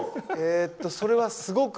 それは、すごく。